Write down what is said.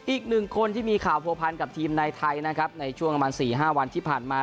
อีกหนึ่งคนที่มีข่าวผัวพันกับทีมในไทยนะครับในช่วงประมาณ๔๕วันที่ผ่านมา